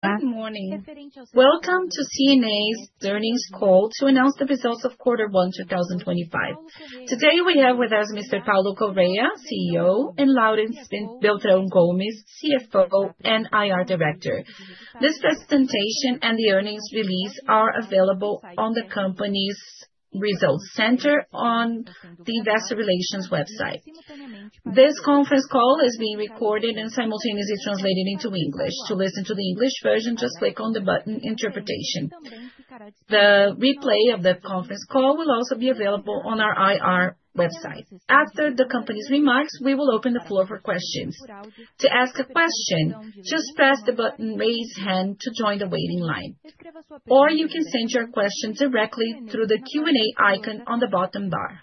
Good morning. Welcome to C&A's earnings call to announce the results of Quarter 1, 2025. Today we have with us Mr. Paulo Correa, CEO, and Laurence Beltrão Gomes, CFO and IR Director. This presentation and the earnings release are available on the company's Results Center on the Investor Relations website. This conference call is being recorded and simultaneously translated into English. To listen to the English version, just click on the button "Interpretation." The replay of the conference call will also be available on our IR website. After the company's remarks, we will open the floor for questions. To ask a question, just press the button "Raise Hand" to join the waiting line, or you can send your question directly through the Q&A icon on the bottom bar.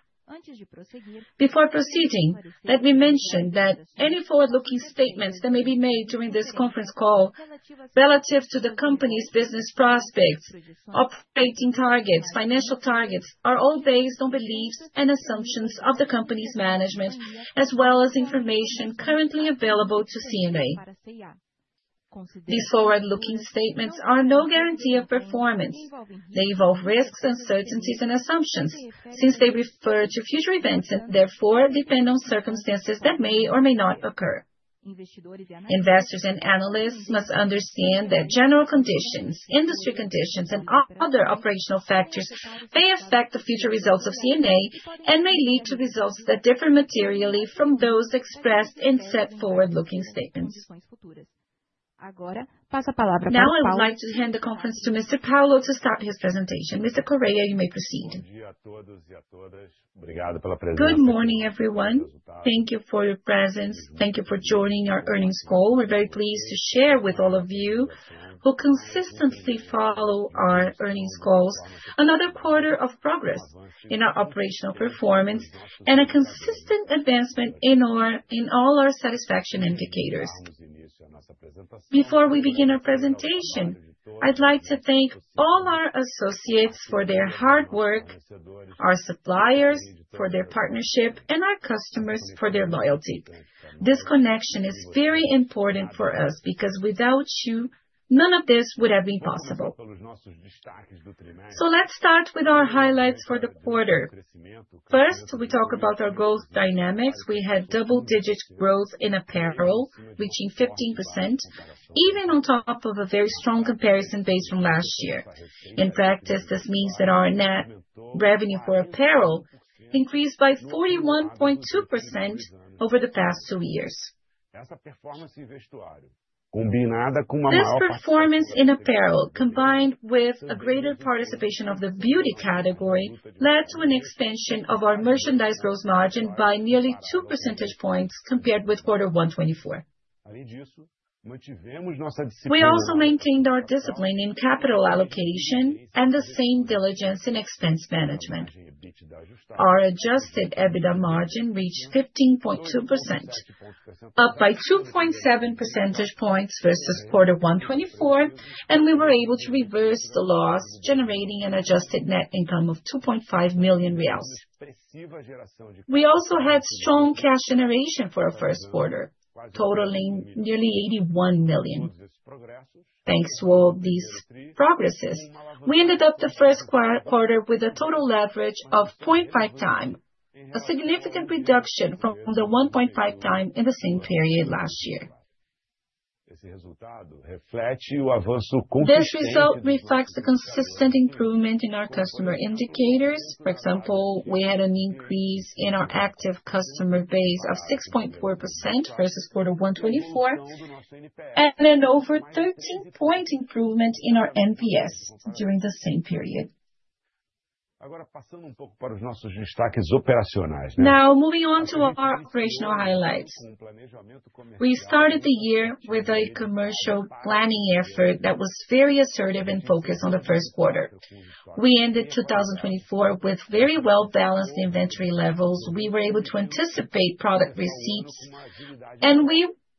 Before proceeding, let me mention that any forward-looking statements that may be made during this conference call relative to the company's business prospects, operating targets, and financial targets are all based on beliefs and assumptions of the company's management, as well as information currently available to C&A. These forward-looking statements are no guarantee of performance. They involve risks, uncertainties, and assumptions since they refer to future events and therefore depend on circumstances that may or may not occur. Investors and analysts must understand that general conditions, industry conditions, and other operational factors may affect the future results of C&A and may lead to results that differ materially from those expressed in said forward-looking statements. Now I would like to hand the conference to Mr. Paulo to start his presentation. Mr. Correa, you may proceed. Good morning, everyone. Thank you for your presence. Thank you for joining our earnings call. We're very pleased to share with all of you who consistently follow our earnings calls another quarter of progress in our operational performance and a consistent advancement in all our satisfaction indicators. Before we begin our presentation, I'd like to thank all our associates for their hard work, our suppliers for their partnership, and our customers for their loyalty. This connection is very important for us because without you, none of this would have been possible. Let's start with our highlights for the quarter. First, we talk about our growth dynamics. We had double-digit growth in apparel, reaching 15%, even on top of a very strong comparison base from last year. In practice, this means that our net revenue for apparel increased by 41.2% over the past two years. This performance in apparel, combined with a greater participation of the beauty category, led to an expansion of our merchandise gross margin by nearly 2 percentage points compared with Quarter 1 2024. We also maintained our discipline in capital allocation and the same diligence in expense management. Our adjusted EBITDA margin reached 15.2%, up by 2.7 percentage points versus Quarter 1 2024, and we were able to reverse the loss, generating an adjusted net income of 2.5 million reais. We also had strong cash generation for our first quarter, totaling nearly 81 million. Thanks to all these progresses, we ended up the first quarter with a total leverage of 0.5x, a significant reduction from the 1.5x in the same period last year. This result reflects the consistent improvement in our customer indicators. For example, we had an increase in our active customer base of 6.4% versus Quarter 1 2024, and an over 13-point improvement in our NPS during the same period. Now, moving on to our operational highlights. We started the year with a commercial planning effort that was very assertive and focused on the first quarter. We ended 2024 with very well-balanced inventory levels. We were able to anticipate product receipts, and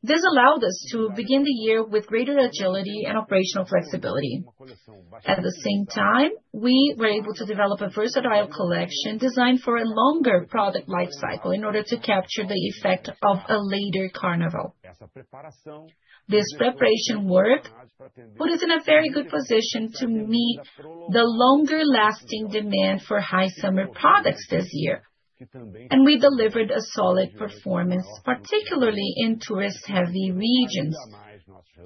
this allowed us to begin the year with greater agility and operational flexibility. At the same time, we were able to develop a versatile collection designed for a longer product lifecycle in order to capture the effect of a later carnival. This preparation work put us in a very good position to meet the longer-lasting demand for high-summer products this year, and we delivered a solid performance, particularly in tourist-heavy regions,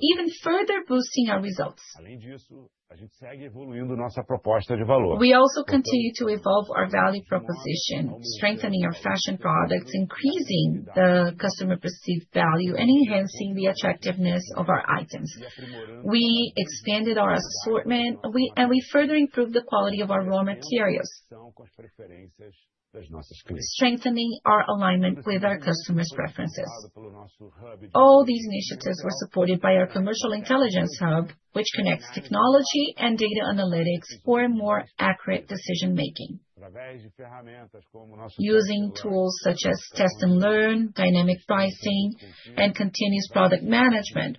even further boosting our results. We also continue to evolve our value proposition, strengthening our fashion products, increasing the customer perceived value, and enhancing the attractiveness of our items. We expanded our assortment, and we further improved the quality of our raw materials, strengthening our alignment with our customers' preferences. All these initiatives were supported by our commercial intelligence hub, which connects technology and data analytics for more accurate decision-making. Using tools such as test and learn, dynamic pricing, and continuous product management,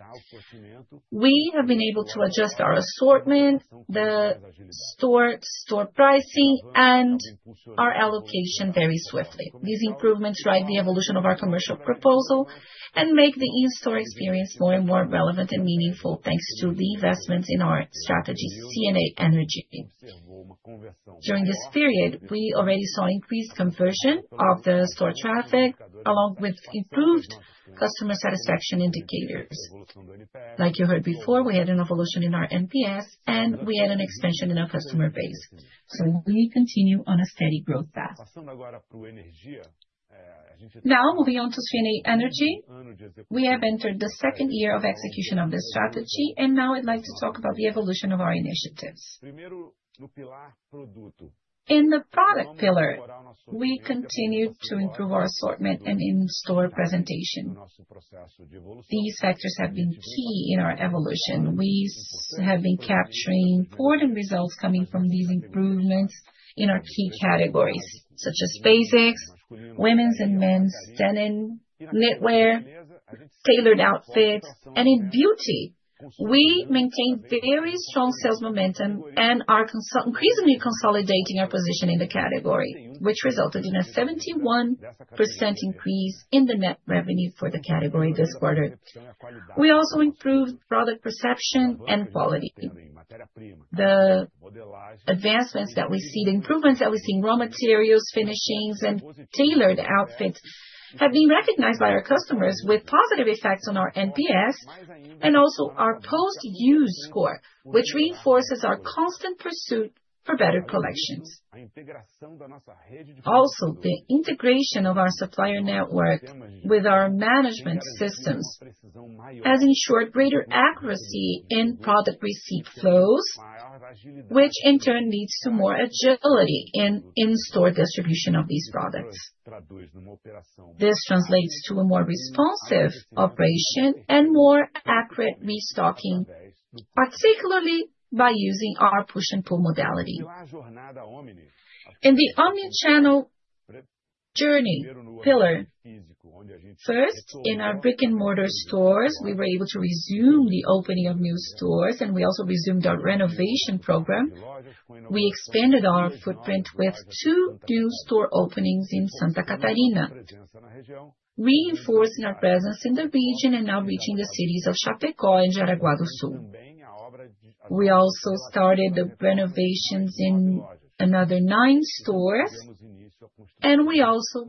we have been able to adjust our assortment, the store pricing, and our allocation very swiftly. These improvements drive the evolution of our commercial proposal and make the in-store experience more and more relevant and meaningful thanks to the investments in our strategy, C&A Energy. During this period, we already saw increased conversion of the store traffic, along with improved customer satisfaction indicators. Like you heard before, we had an evolution in our NPS, and we had an expansion in our customer base. We continue on a steady growth path. Now, moving on to C&A Energy, we have entered the second year of execution of this strategy, and now I'd like to talk about the evolution of our initiatives. In the product pillar, we continue to improve our assortment and in-store presentation. These factors have been key in our evolution. We have been capturing important results coming from these improvements in our key categories, such as basics, women's and men's denim, knitwear, tailored outfits, and in beauty. We maintained very strong sales momentum and are increasingly consolidating our position in the category, which resulted in a 71% increase in the net revenue for the category this quarter. We also improved product perception and quality. The advancements that we see, the improvements that we see in raw materials, finishings, and tailored outfits have been recognized by our customers with positive effects on our NPS and also our post-use score, which reinforces our constant pursuit for better collections. Also, the integration of our supplier network with our management systems has ensured greater accuracy in product receipt flows, which in turn leads to more agility in in-store distribution of these products. This translates to a more responsive operation and more accurate restocking, particularly by using our push-and-pull modality. In the omnichannel journey pillar, first, in our brick-and-mortar stores, we were able to resume the opening of new stores, and we also resumed our renovation program. We expanded our footprint with two new store openings in Santa Catarina, reinforcing our presence in the region and now reaching the cities of Chapecó and Jaraguá do Sul. We also started the renovations in another nine stores, and we also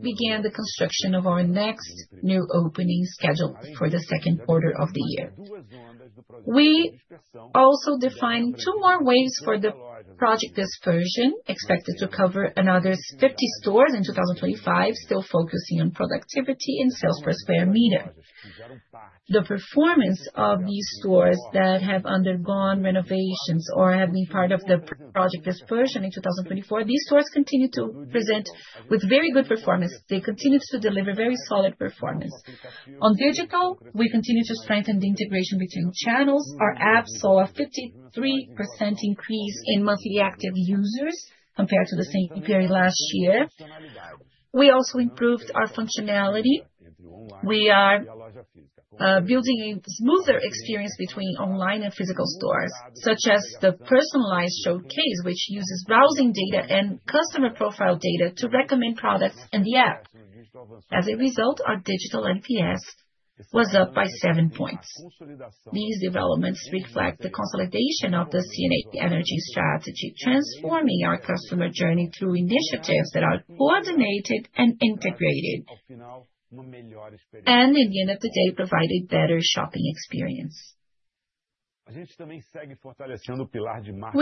began the construction of our next new opening scheduled for the second quarter of the year. We also defined two more waves for the project. This version is expected to cover another 50 stores in 2025, still focusing on productivity and sales per square meter. The performance of these stores that have undergone renovations or have been part of the project dispersion in 2024, these stores continue to present with very good performance. They continue to deliver very solid performance. On digital, we continue to strengthen the integration between channels. Our apps saw a 53% increase in monthly active users compared to the same period last year. We also improved our functionality. We are building a smoother experience between online and physical stores, such as the personalized showcase, which uses browsing data and customer profile data to recommend products in the app. As a result, our digital NPS was up by 7 points. These developments reflect the consolidation of the C&A Energy strategy, transforming our customer journey through initiatives that are coordinated and integrated, and in the end of the day, provided a better shopping experience. We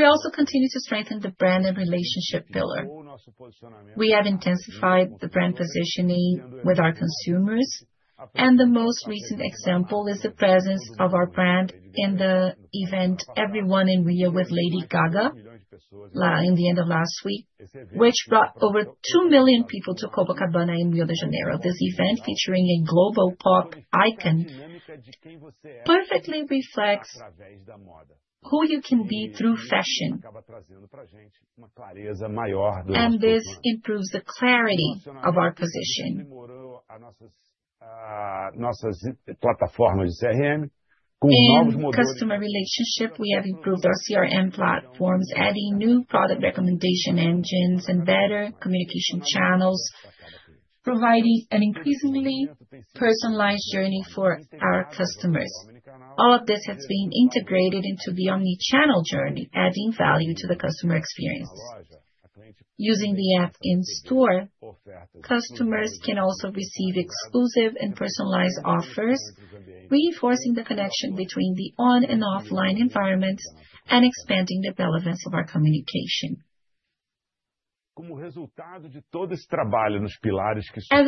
also continue to strengthen the brand and relationship pillar. We have intensified the brand positioning with our consumers, and the most recent example is the presence of our brand in the event "Everyone in Rio with Lady Gaga" in the end of last week, which brought over 2 million people to Copacabana in Rio de Janeiro. This event, featuring a global pop icon, perfectly reflects who you can be through fashion, and this improves the clarity of our position. With customer relationship, we have improved our CRM platforms, adding new product recommendation engines and better communication channels, providing an increasingly personalized journey for our customers. All of this has been integrated into the omnichannel journey, adding value to the customer experience. Using the app in-store, customers can also receive exclusive and personalized offers, reinforcing the connection between the on and offline environments and expanding the relevance of our communication. As a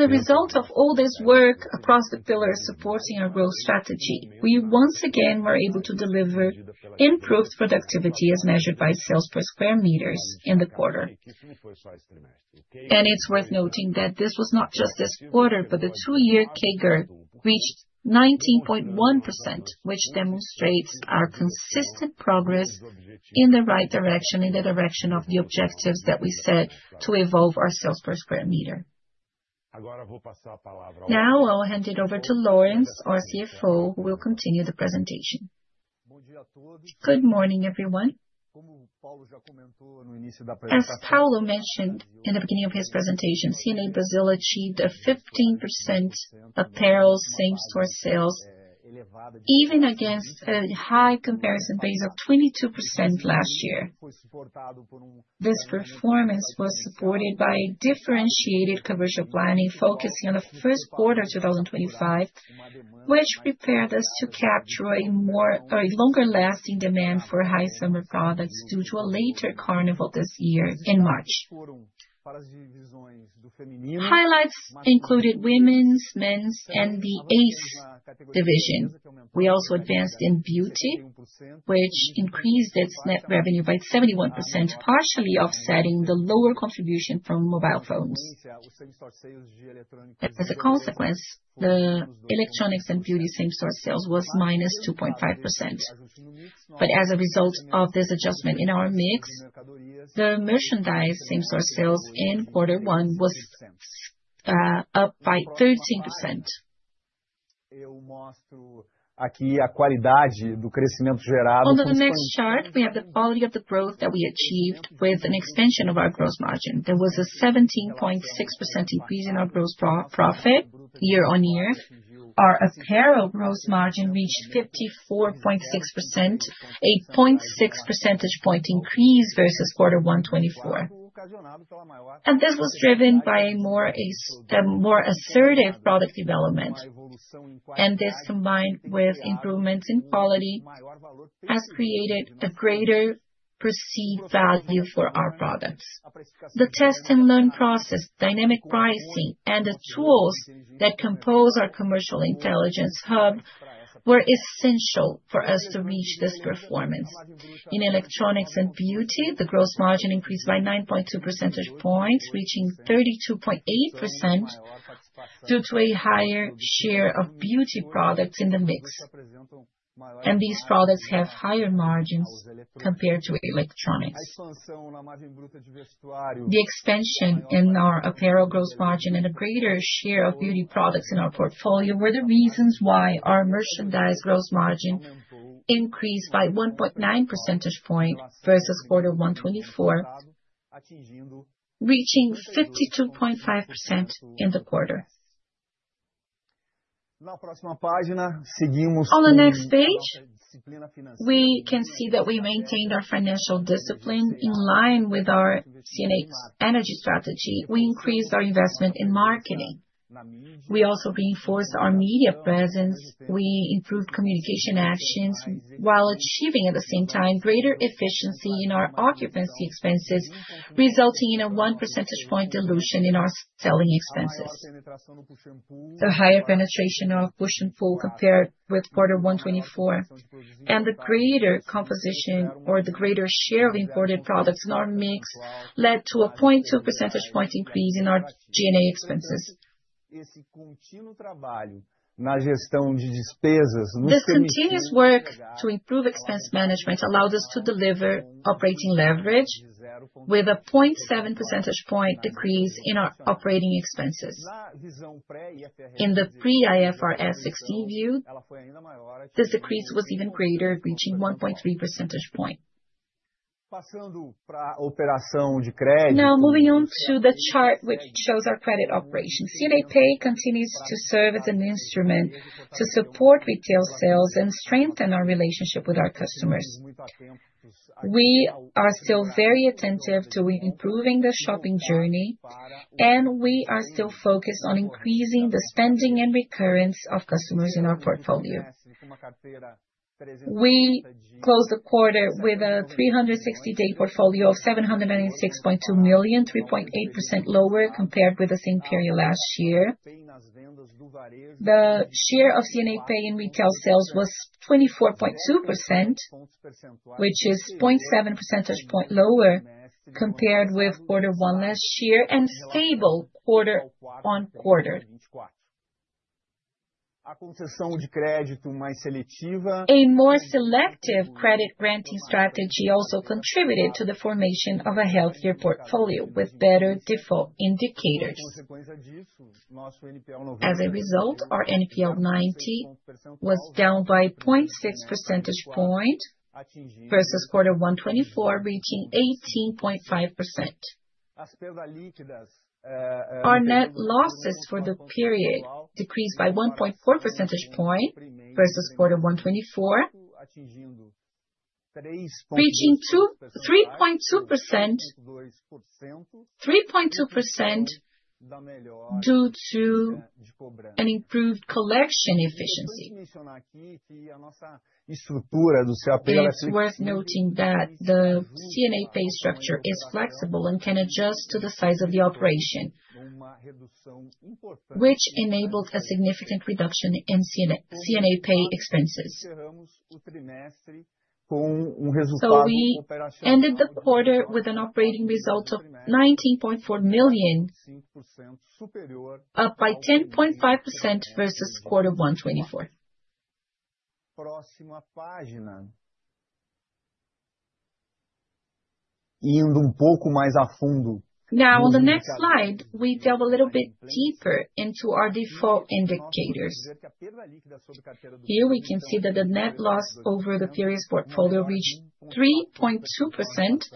result of all this work across the pillars supporting our growth strategy, we once again were able to deliver improved productivity as measured by sales per square meter in the quarter. It is worth noting that this was not just this quarter, but the two-year CAGR reached 19.1%, which demonstrates our consistent progress in the right direction, in the direction of the objectives that we set to evolve our sales per square meter. Now I'll hand it over to Laurence, our CFO, who will continue the presentation. Good morning, everyone. As Paulo mentioned in the beginning of his presentation, C&A Brazil achieved a 15% apparel same-store sales, even against a high comparison base of 22% last year. This performance was supported by differentiated commercial planning focusing on the first quarter of 2025, which prepared us to capture a longer-lasting demand for high-summer products due to a later carnival this year in March. Highlights included women's, men's, and the Ace division. We also advanced in beauty, which increased its net revenue by 71%, partially offsetting the lower contribution from mobile phones. As a consequence, the electronics and beauty same-store sales was minus 2.5%. As a result of this adjustment in our mix, the merchandise same-store sales in quarter one was up by 13%. On the next chart, we have the quality of the growth that we achieved with an expansion of our gross margin. There was a 17.6% increase in our gross profit year-on-year. Our apparel gross margin reached 54.6%, a 0.6 percentage point increase versus Quarter 1 2024. This was driven by a more assertive product development. This combined with improvements in quality has created a greater perceived value for our products. The test and learn process, dynamic pricing, and the tools that compose our commercial intelligence hub were essential for us to reach this performance. In electronics and beauty, the gross margin increased by 9.2 percentage points, reaching 32.8% due to a higher share of beauty products in the mix. These products have higher margins compared to electronics. The expansion in our apparel gross margin and a greater share of beauty products in our portfolio were the reasons why our merchandise gross margin increased by 1.9 percentage points versus Quarter 1 2024, reaching 52.5% in the quarter. On the next page, we can see that we maintained our financial discipline in line with our C&A Energy strategy. We increased our investment in marketing. We also reinforced our media presence. We improved communication actions while achieving, at the same time, greater efficiency in our occupancy expenses, resulting in a 1 percentage point dilution in our selling expenses. The higher penetration of push and pull compared with Quarter 1 2024 and the greater composition or the greater share of imported products in our mix led to a 0.2 percentage point increase in our G&A expenses. This continuous work to improve expense management allowed us to deliver operating leverage with a 0.7 percentage point decrease in our operating expenses. In the pre-IFRS 16 view, this decrease was even greater, reaching 1.3 percentage points. Now moving on to the chart, which shows our credit operations. C&A Pay continues to serve as an instrument to support retail sales and strengthen our relationship with our customers. We are still very attentive to improving the shopping journey, and we are still focused on increasing the spending and recurrence of customers in our portfolio. We closed the quarter with a 360-day portfolio of 796.2 million, 3.8% lower compared with the same period last year. The share of C&A Pay in retail sales was 24.2%, which is 0.7 percentage point lower compared with quarter one last year and stable quarter on quarter. A more selective credit-granting strategy also contributed to the formation of a healthier portfolio with better default indicators. As a result, our NPL 90 was down by 0.6 percentage points versus Quarter 1 2024, reaching 18.5%. Our net losses for the period decreased by 1.4 percentage points versus Quarter 1 2024, reaching 3.2% due to an improved collection efficiency. It is worth noting that the C&A Pay structure is flexible and can adjust to the size of the operation, which enabled a significant reduction in C&A Pay expenses. We ended the quarter with an operating result of 19.4 million, up by 10.5% versus Quarter 1 2024. Now, on the next slide, we delve a little bit deeper into our default indicators. Here we can see that the net loss over the previous portfolio reached 3.2%,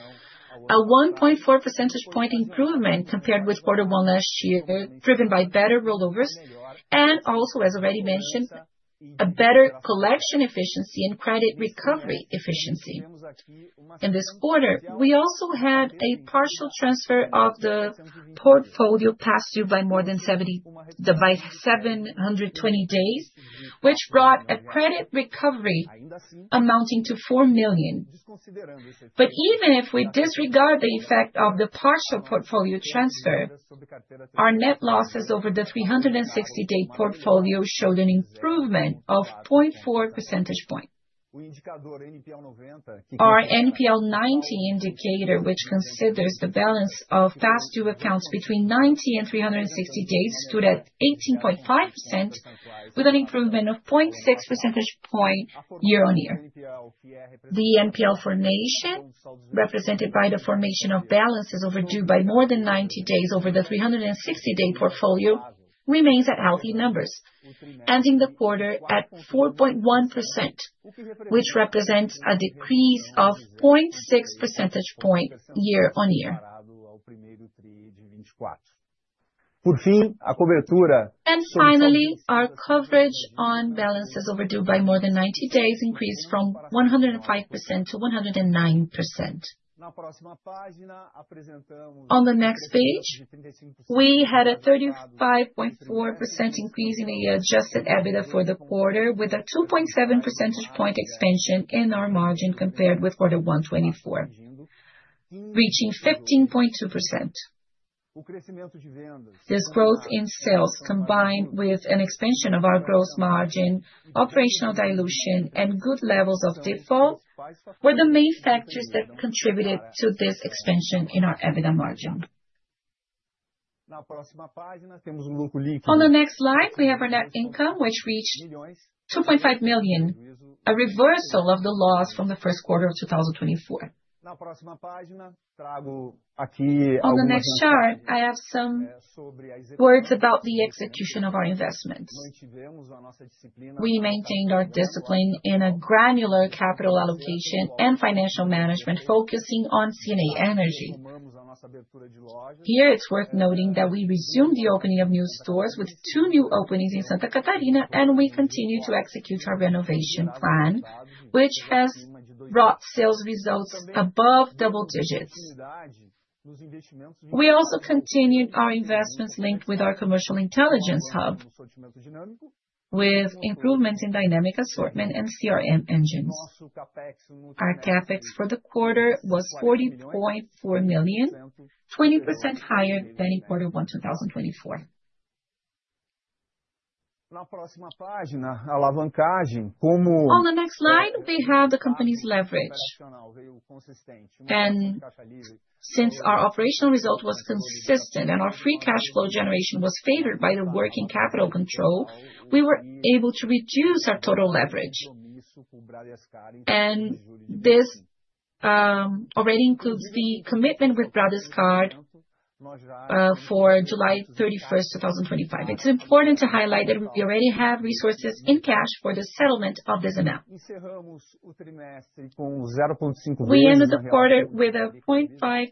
a 1.4 percentage point improvement compared with quarter one last year, driven by better rollovers and also, as already mentioned, a better collection efficiency and credit recovery efficiency. In this quarter, we also had a partial transfer of the portfolio past due by more than 720 days, which brought a credit recovery amounting to 4 million. Even if we disregard the effect of the partial portfolio transfer, our net losses over the 360-day portfolio showed an improvement of 0.4 percentage points. Our NPL 90 indicator, which considers the balance of past due accounts between 90 and 360 days, stood at 18.5%, with an improvement of 0.6 percentage points year-on-year. The NPL formation, represented by the formation of balances overdue by more than 90 days over the 360-day portfolio, remains at healthy numbers, ending the quarter at 4.1%, which represents a decrease of 0.6 percentage points year-on-year. The coverage on balances overdue by more than 90 days increased from 105% to 109%. On the next page, we had a 35.4% increase in the adjusted EBITDA for the quarter, with a 2.7 percentage point expansion in our margin compared with Quarter 1 2024, reaching 15.2%. This growth in sales, combined with an expansion of our gross margin, operational dilution, and good levels of default, were the main factors that contributed to this expansion in our EBITDA margin. On the next slide, we have our net income, which reached 2.5 million, a reversal of the loss from the first quarter of 2024. On the next chart, I have some words about the execution of our investments. We maintained our discipline in a granular capital allocation and financial management, focusing on C&A Energy. Here, it's worth noting that we resumed the opening of new stores with two new openings in Santa Catarina, and we continue to execute our renovation plan, which has brought sales results above double digits. We also continued our investments linked with our commercial intelligence hub, with improvements in dynamic assortment and CRM engines. Our CapEx for the quarter was 40.4 million, 20% higher than in Quarter 1 2024. On the next slide, we have the company's leverage. Since our operational result was consistent and our free cash flow generation was favored by the working capital control, we were able to reduce our total leverage. This already includes the commitment with Bradescard for July 31, 2025. It's important to highlight that we already have resources in cash for the settlement of this amount. We ended the quarter with a 0.5x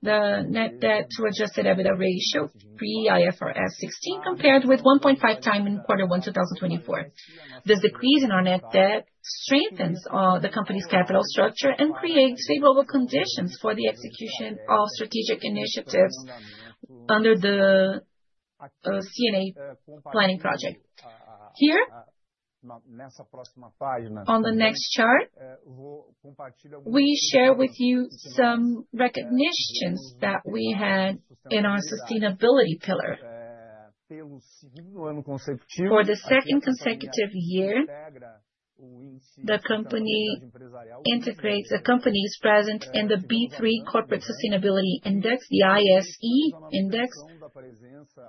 the net debt to adjusted EBITDA ratio, pre-IFRS 16, compared with 1.5x in Quarter 1 2024. This decrease in our net debt strengthens the company's capital structure and creates favorable conditions for the execution of strategic initiatives under the C&A planning project. Here, on the next chart, we share with you some recognitions that we had in our sustainability pillar for the second consecutive year. The company integrates the companies present in the B3 Corporate Sustainability Index, the ISE Index.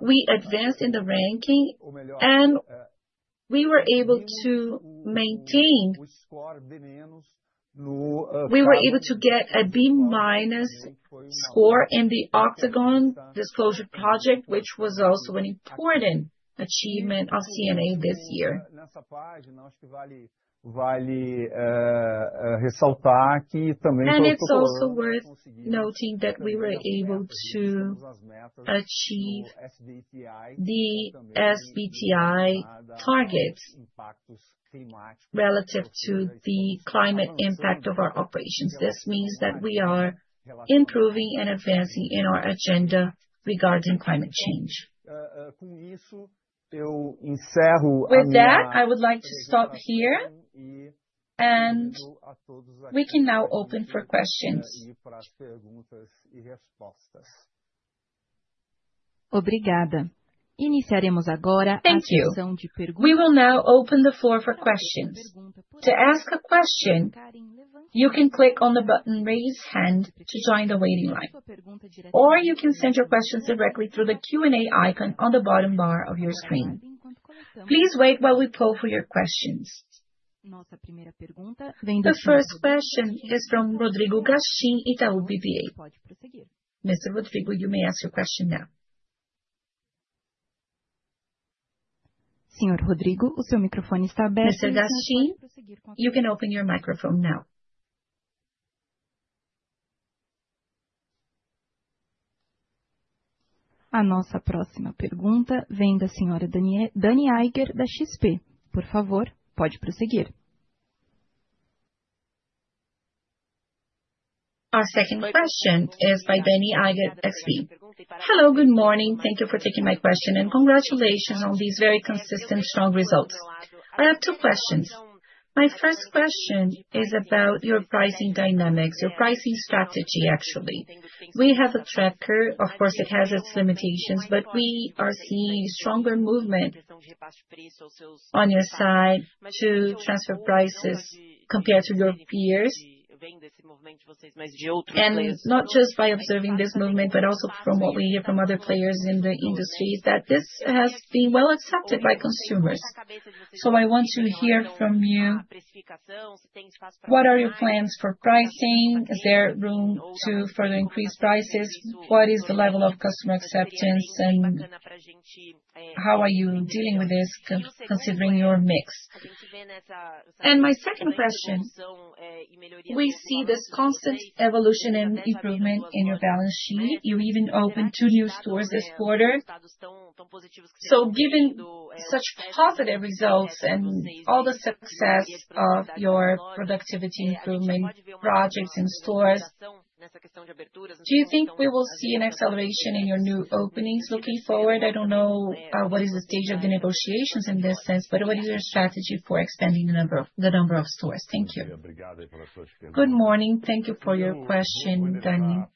We advanced in the ranking, and we were able to maintain a B- score in the Octagon disclosure project, which was also an important achievement of C&A this year. It is also worth noting that we were able to achieve the SBTI targets relative to the climate impact of our operations. This means that we are improving and advancing in our agenda regarding climate change. With that, I would like to stop here, and we can now open for questions. We will now open the floor for questions. To ask a question, you can click on the button "Raise Hand" to join the waiting line. Or you can send your questions directly through the Q&A icon on the bottom bar of your screen. Please wait while we pull for your questions. The first question is from Rodrigo Gastim, Itaú BBA. Mr. Rodrigo, you may ask your question now. Mr. Gastim, you can open your microphone now. Our second question is by Dani Eiger, XP. Hello, good morning. Thank you for taking my question, and congratulations on these very consistent, strong results. I have two questions. My first question is about your pricing dynamics, your pricing strategy, actually. We have a tracker, of course, it has its limitations, but we are seeing stronger movement on your side to transfer prices compared to your peers. And not just by observing this movement, but also from what we hear from other players in the industry, that this has been well accepted by consumers. I want to hear from you. What are your plans for pricing? Is there room to further increase prices? What is the level of customer acceptance, and how are you dealing with this considering your mix? My second question, we see this constant evolution and improvement in your balance sheet. You even opened two new stores this quarter. Given such positive results and all the success of your productivity improvement projects and stores, do you think we will see an acceleration in your new openings looking forward? I do not know what is the stage of the negotiations in this sense, but what is your strategy for expanding the number of stores? Thank you. Good morning. Thank you for your question, Dani.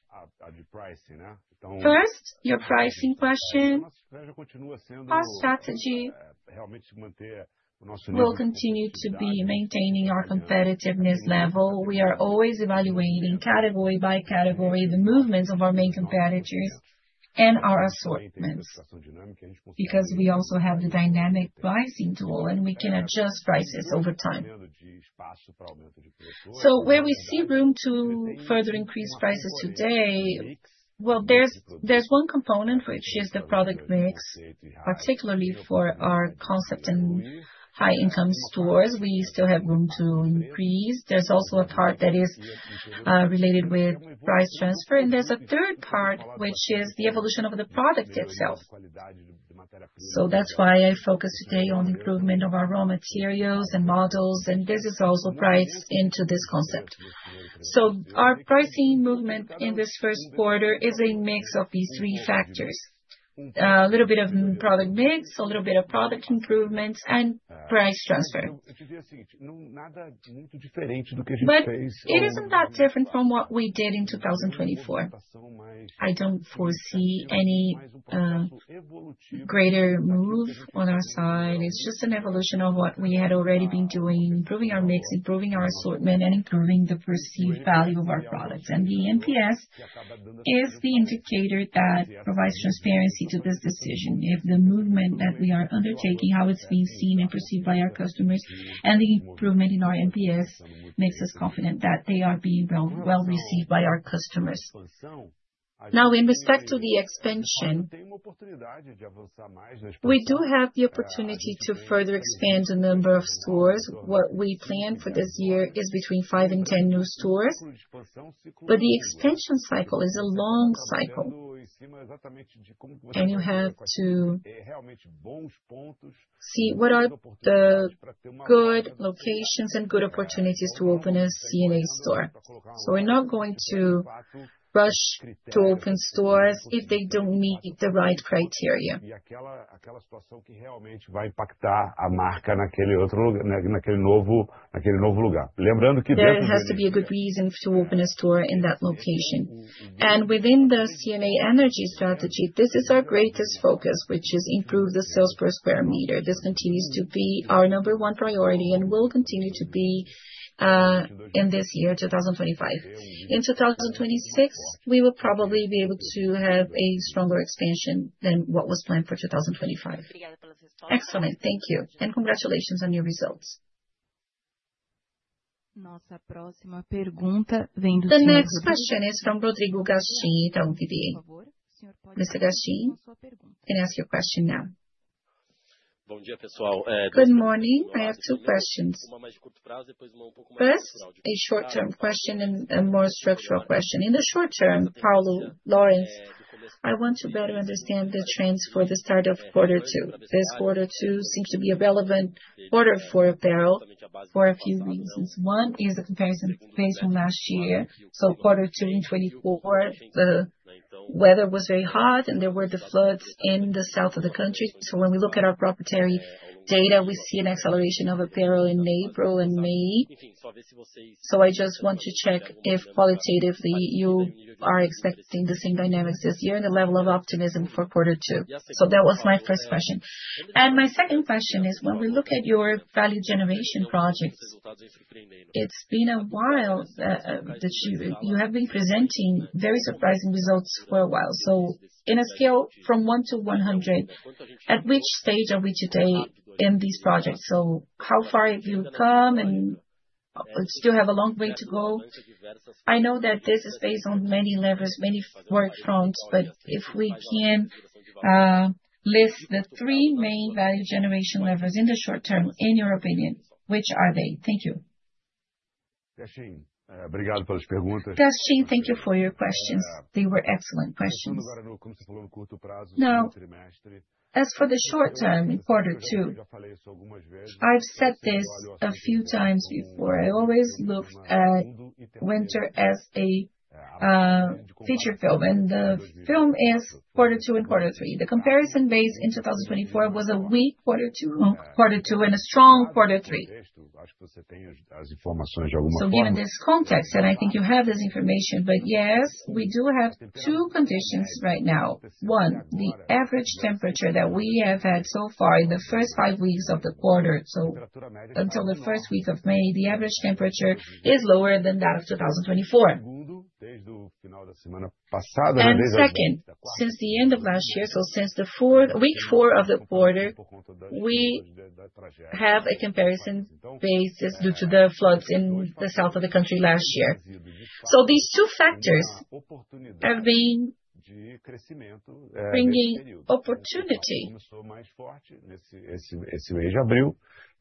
First, your pricing question. Our strategy will continue to be maintaining our competitiveness level. We are always evaluating category by category the movements of our main competitors and our assortments, because we also have the dynamic pricing tool, and we can adjust prices over time. Where we see room to further increase prices today, there is one component, which is the product mix, particularly for our concept and high-income stores. We still have room to increase. There is also a part that is related with price transfer, and there is a third part, which is the evolution of the product itself. That is why I focus today on the improvement of our raw materials and models, and this is also priced into this concept. Our pricing movement in this first quarter is a mix of these three factors: a little bit of product mix, a little bit of product improvements, and price transfer. It is not that different from what we did in 2024. I do not foresee any greater move on our side. It's just an evolution of what we had already been doing: improving our mix, improving our assortment, and improving the perceived value of our products. The NPS is the indicator that provides transparency to this decision. If the movement that we are undertaking, how it's being seen and perceived by our customers, and the improvement in our NPS makes us confident that they are being well received by our customers. Now, in respect to the expansion, we do have the opportunity to further expand the number of stores. What we plan for this year is between 5 and 10 new stores, but the expansion cycle is a long cycle, and you have to see what are the good locations and good opportunities to open a C&A store. We are not going to rush to open stores if they do not meet the right criteria. There has to be a good reason to open a store in that location. Within the C&A Energy strategy, this is our greatest focus, which is to improve the sales per square meter. This continues to be our number one priority and will continue to be in this year, 2025. In 2026, we will probably be able to have a stronger expansion than what was planned for 2025. Excellent. Thank you. Congratulations on your results. The next question is from Rodrigo Gastim, Itaú BBA. Mr. Gastim, you can ask your question now. Good morning. I have two questions. First, a short-term question and a more structural question. In the short term, Paulo, Laurence, I want to better understand the trends for the start of quarter two. This quarter two seems to be a relevant quarter for apparel for a few reasons. One is the comparison based on last year. Quarter two in 2024, the weather was very hot, and there were the floods in the south of the country. When we look at our proprietary data, we see an acceleration of apparel in April and May. I just want to check if qualitatively you are expecting the same dynamics this year and the level of optimism for quarter two. That was my first question. My second question is, when we look at your value generation projects, it's been a while that you have been presenting very surprising results for a while. On a scale from 1 to 100, at which stage are we today in these projects? How far have you come and still have a long way to go? I know that this is based on many levers, many work fronts, but if we can list the three main value generation levers in the short term, in your opinion, which are they? Thank you. Gachin, thank you for your questions. They were excellent questions. As for the short term, quarter two, I've said this a few times before. I always look at winter as a feature film, and the film is quarter two and quarter three. The comparison base in 2024 was a weak quarter two and a strong quarter three. Given this context, and I think you have this information, but yes, we do have two conditions right now. One, the average temperature that we have had so far in the first five weeks of the quarter, so until the first week of May, the average temperature is lower than that of 2024. Second, since the end of last year, since the fourth week four of the quarter, we have a comparison basis due to the floods in the south of the country last year. These two factors have been bringing opportunity.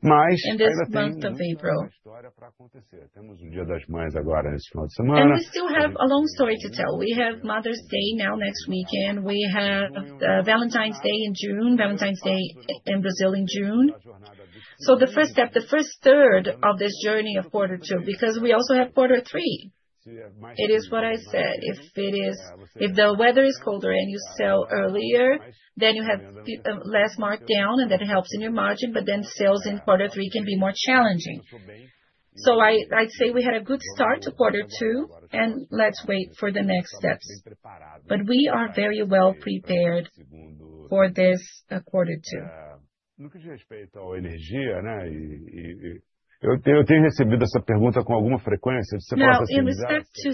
We still have a long story to tell. We have Mother's Day now next week, and we have Valentine's Day in June, Valentine's Day in Brazil in June. The first step, the first third of this journey of quarter two, because we also have quarter three. It is what I said. If the weather is colder and you sell earlier, then you have less marked down, and that helps in your margin, but then sales in quarter three can be more challenging. I'd say we had a good start to quarter two, and let's wait for the next steps. We are very well prepared for this quarter two. In respect to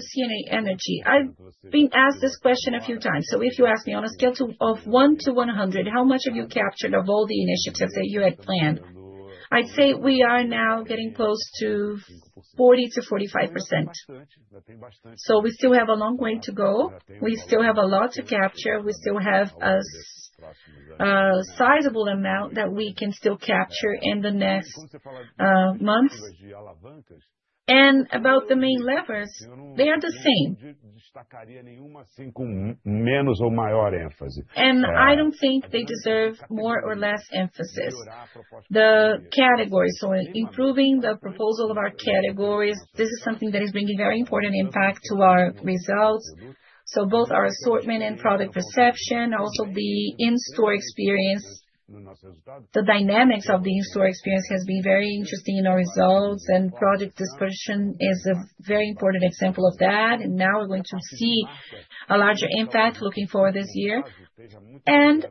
C&A Energy, I've been asked this question a few times. If you ask me, on a scale of 1 to 100, how much have you captured of all the initiatives that you had planned? I'd say we are now getting close to 40%-45%. We still have a long way to go. We still have a lot to capture. We still have a sizable amount that we can still capture in the next months. About the main levers, they are the same. I don't think they deserve more or less emphasis. The categories, so improving the proposal of our categories, this is something that is bringing very important impact to our results. Both our assortment and product perception, also the in-store experience, the dynamics of the in-store experience has been very interesting in our results, and product description is a very important example of that. Now we're going to see a larger impact looking forward this year. The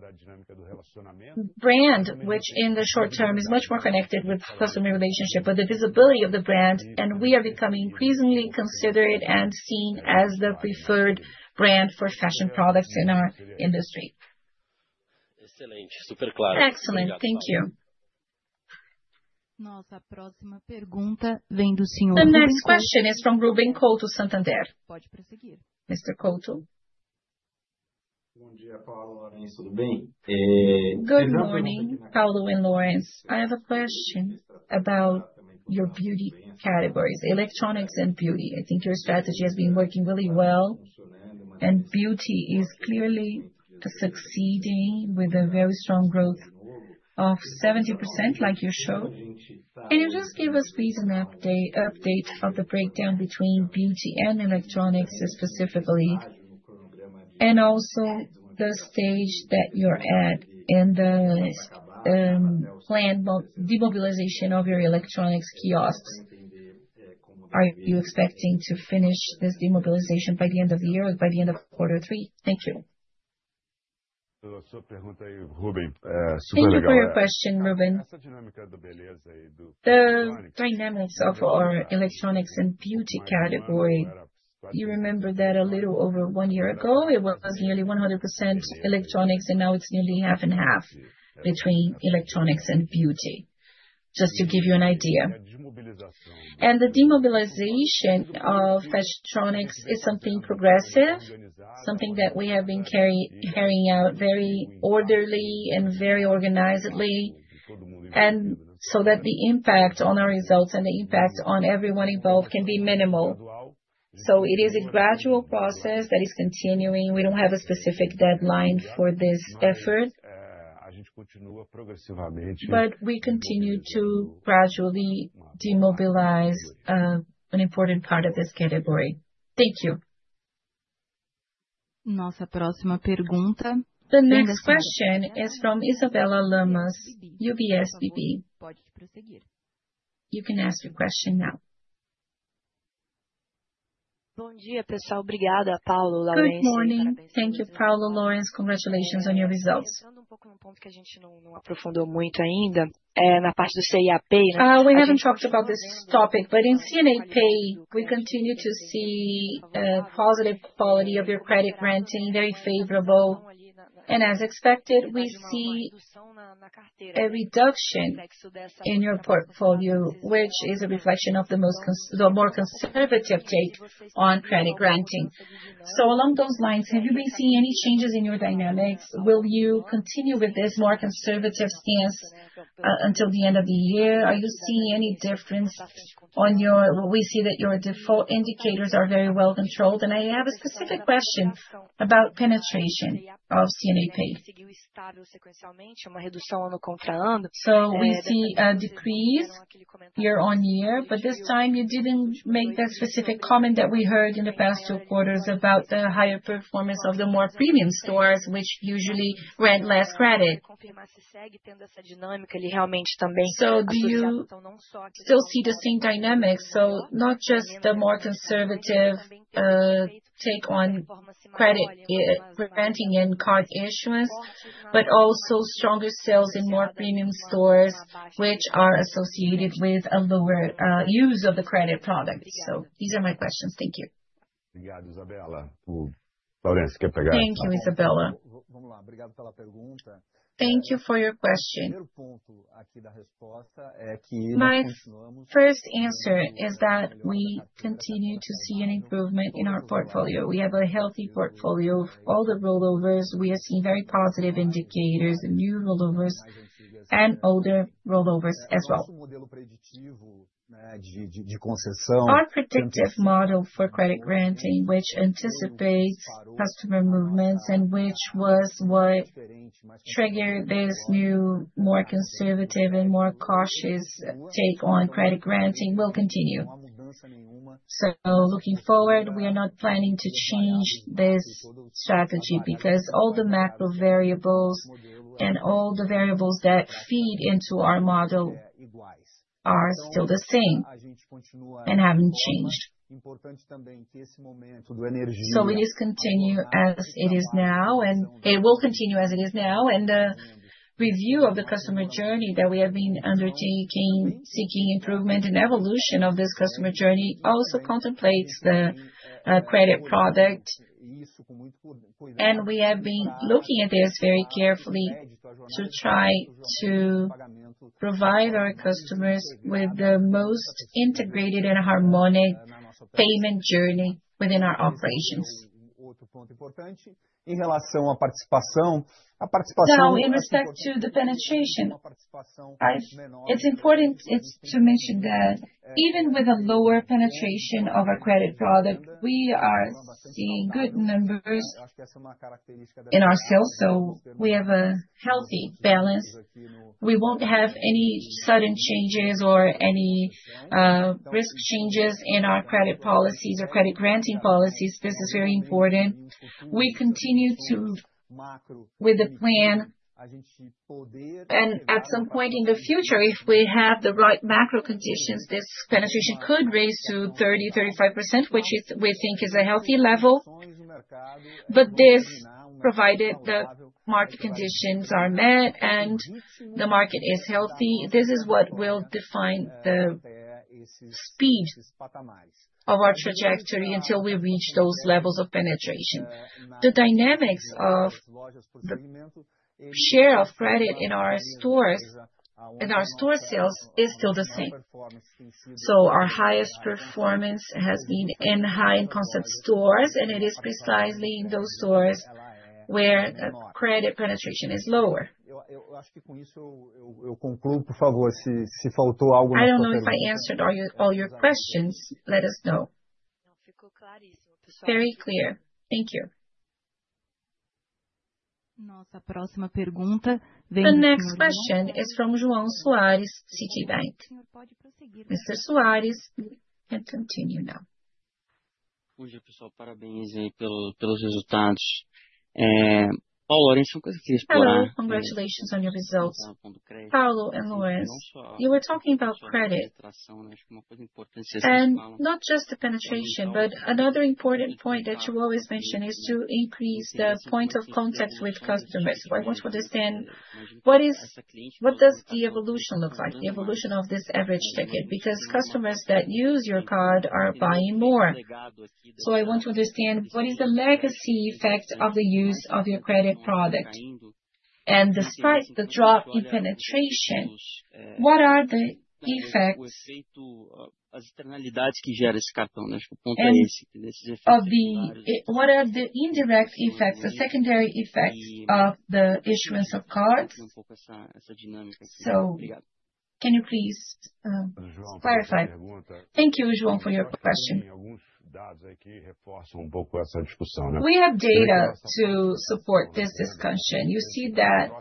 brand, which in the short term is much more connected with customer relationship, but the visibility of the brand. We are becoming increasingly considered and seen as the preferred brand for fashion products in our industry. Excellent. Thank you. The next question is from Ruben Couto, Santander. Mr. Couto? Good morning, Paulo and Laurence. I have a question about your beauty categories, electronics and beauty. I think your strategy has been working really well, and beauty is clearly succeeding with a very strong growth of 70%, like you showed. Can you just give us a reason to update of the breakdown between beauty and electronics specifically, and also the stage that you're at in the planned demobilization of your electronics kiosks? Are you expecting to finish this demobilization by the end of the year or by the end of quarter three? Thank you. Thank you for your question, Ruben. The dynamics of our electronics and beauty category, you remember that a little over one year ago, it was nearly 100% electronics, and now it's nearly half and half between electronics and beauty, just to give you an idea. The demobilization of fashion is something progressive, something that we have been carrying out very orderly and very organizedly, so that the impact on our results and the impact on everyone involved can be minimal. It is a gradual process that is continuing. We do not have a specific deadline for this effort, but we continue to gradually demobilize an important part of this category. Thank you. The next question is from Isabella Lamas, UBS. You can ask your question now. Good morning. Thank you, Paulo, Laurence. Congratulations on your results. We haven't talked about this topic, but in C&A Pay, we continue to see positive quality of your credit granting, very favorable, and as expected, we see a reduction in your portfolio, which is a reflection of the more conservative take on credit granting. Along those lines, have you been seeing any changes in your dynamics? Will you continue with this more conservative stance until the end of the year? Are you seeing any difference on your—we see that your default indicators are very well controlled, and I have a specific question about penetration of C&A Pay. We see a decrease year-on-year, but this time you didn't make that specific comment that we heard in the past two quarters about the higher performance of the more premium stores, which usually rent less credit. Do you still see the same dynamics? Not just the more conservative take on credit granting and card issuance, but also stronger sales in more premium stores, which are associated with a lower use of the credit product. These are my questions. Thank you. Thank you, Isabella. Thank you for your question. The first point here of the answer is that we continue. First answer is that we continue to see an improvement in our portfolio. We have a healthy portfolio of all the rollovers. We have seen very positive indicators, new rollovers, and older rollovers as well. Our predictive model for credit granting, which anticipates customer movements and which was what triggered this new, more conservative and more cautious take on credit granting, will continue. Looking forward, we are not planning to change this strategy because all the macro variables and all the variables that feed into our model are still the same and have not changed. We discontinue as it is now and it will continue as it is now, and the review of the customer journey that we have been undertaking, seeking improvement and evolution of this customer journey, also contemplates the credit product, and we have been looking at this very carefully to try to provide our customers with the most integrated and harmonic payment journey within our operations. Now, in respect to the penetration, it is important to mention that even with a lower penetration of our credit product, we are seeing good numbers in our sales, so we have a healthy balance. We will not have any sudden changes or any risk changes in our credit policies or credit granting policies. This is very important. We continue with the plan, and at some point in the future, if we have the right macro conditions, this penetration could raise to 30%-35%, which we think is a healthy level. This is provided the market conditions are met and the market is healthy. This is what will define the speed of our trajectory until we reach those levels of penetration. The dynamics of the share of credit in our stores and our store sales is still the same. Our highest performance has been in high-end concept stores, and it is precisely in those stores where credit penetration is lower. I do not know if I answered all your questions. Let us know. Very clear. Thank you. The next question is from João Soares, Citibank. Mr. Soares, you can continue now. Congratulations on your results. Paulo and Laurence, you were talking about credit. Not just the penetration, but another important point that you always mention is to increase the point of contact with customers. I want to understand what does the evolution look like, the evolution of this average ticket, because customers that use your card are buying more. I want to understand what is the legacy effect of the use of your credit product and the spike, the drop in penetration. What are the effects? What are the indirect effects, the secondary effects of the issuance of cards? Can you please clarify? Thank you, João, for your question. We have data to support this discussion. You see that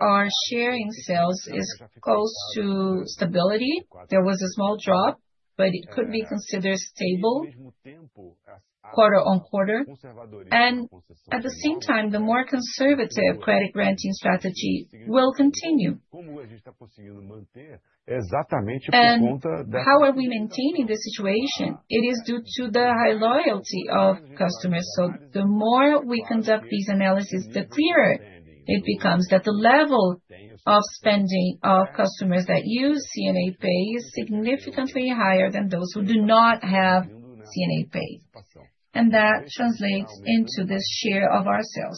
our sharing sales is close to stability. There was a small drop, but it could be considered stable quarter-on-quarter. At the same time, the more conservative credit granting strategy will continue. How are we maintaining this situation? It is due to the high loyalty of customers. The more we conduct these analyses, the clearer it becomes that the level of spending of customers that use C&A Pay is significantly higher than those who do not have C&A Pay. That translates into this share of our sales.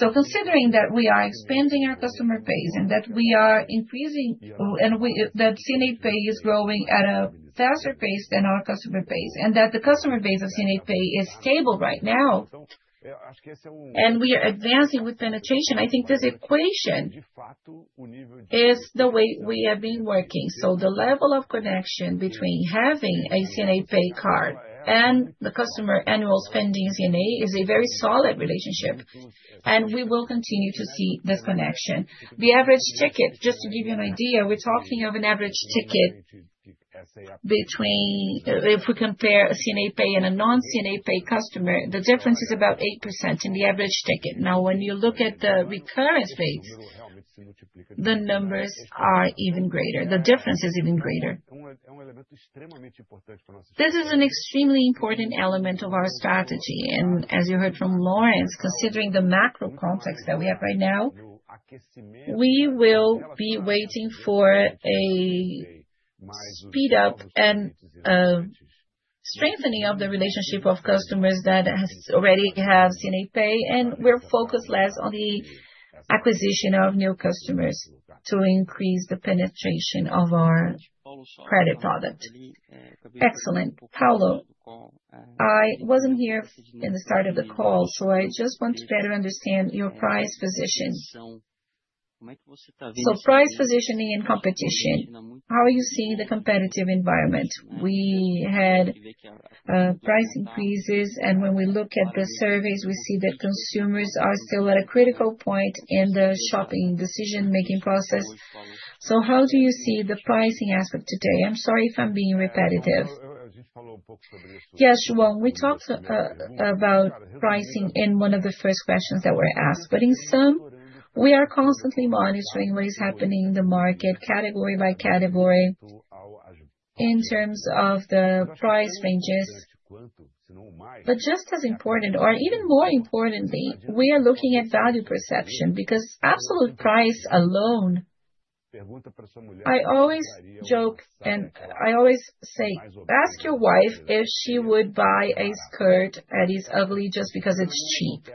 Considering that we are expanding our customer base and that we are increasing, and that C&A Pay is growing at a faster pace than our customer base, and that the customer base of C&A Pay is stable right now, and we are advancing with penetration, I think this equation is the way we have been working. The level of connection between having a C&A Pay card and the customer annual spending at C&A is a very solid relationship, and we will continue to see this connection. The average ticket, just to give you an idea, we're talking of an average ticket between, if we compare a C&A Pay and a non-C&A Pay customer, the difference is about 8% in the average ticket. Now, when you look at the recurrence rates, the numbers are even greater. The difference is even greater. This is an extremely important element of our strategy. As you heard from Laurence, considering the macro context that we have right now, we will be waiting for a speed up and strengthening of the relationship of customers that already have C&A Pay, and we're focused less on the acquisition of new customers to increase the penetration of our credit product. Excellent. Paulo, I wasn't here in the start of the call, so I just want to better understand your price position. Price positioning and competition, how are you seeing the competitive environment? We had price increases, and when we look at the surveys, we see that consumers are still at a critical point in the shopping decision-making process. How do you see the pricing aspect today? I'm sorry if I'm being repetitive. Yes, João, we talked about pricing in one of the first questions that were asked, but in sum, we are constantly monitoring what is happening in the market, category by category, in terms of the price ranges. Just as important, or even more importantly, we are looking at value perception because absolute price alone. I always joke and I always say, ask your wife if she would buy a skirt that is ugly just because it's cheap.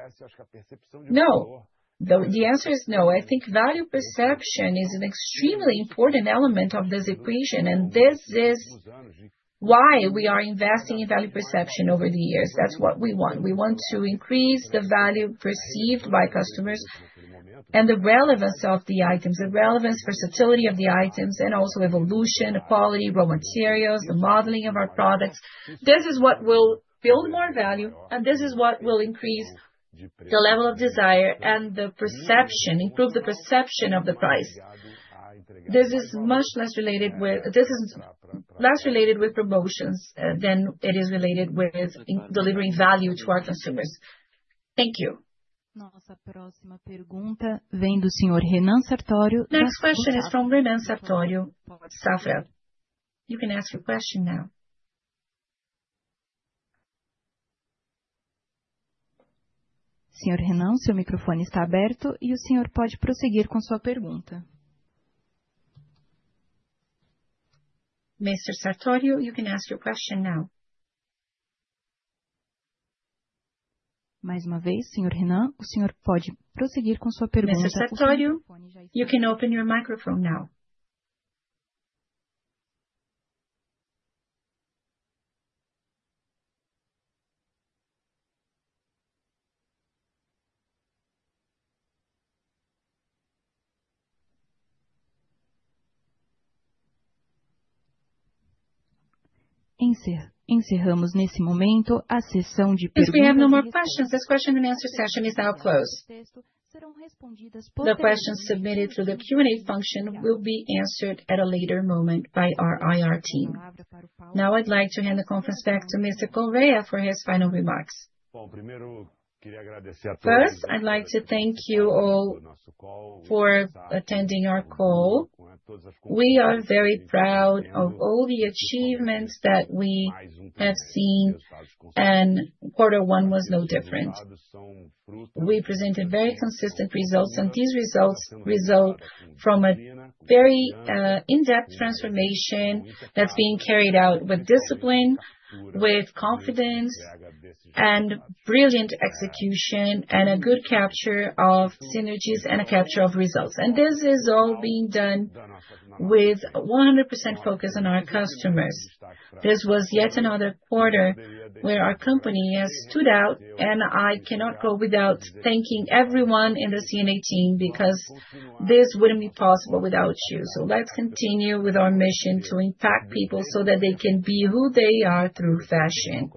The answer is no. I think value perception is an extremely important element of this equation, and this is why we are investing in value perception over the years. That's what we want. We want to increase the value perceived by customers and the relevance of the items, the relevance, versatility of the items, and also evolution, the quality, raw materials, the modeling of our products. This is what will build more value, and this is what will increase the level of desire and the perception, improve the perception of the price. This is much less related with, this is less related with promotions than it is related with delivering value to our consumers. Thank you. Next question is from Renan Sartório, Safra. You can ask your question now. Mr. Sartório, you can ask your question now. Mr. Sartório, you can open your microphone now. As we have no more questions, this question and the answer session is now closed. The questions submitted through the Q&A function will be answered at a later moment by our IR team. Now I'd like to hand the conference back to Mr. Correa for his final remarks. First, I'd like to thank you all for attending our call. We are very proud of all the achievements that we have seen, and quarter one was no different. We presented very consistent results, and these results result from a very in-depth transformation that is being carried out with discipline, with confidence, and brilliant execution, and a good capture of synergies and a capture of results. This is all being done with 100% focus on our customers. This was yet another quarter where our company has stood out, and I cannot go without thanking everyone in the C&A team because this would not be possible without you. Let us continue with our mission to impact people so that they can be who they are through fashion.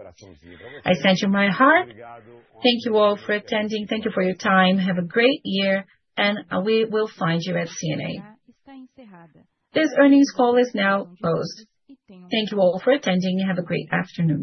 I send you my heart. Thank you all for attending. Thank you for your time. Have a great year, and we will find you at C&A. This earnings call is now closed. Thank you all for attending. Have a great afternoon.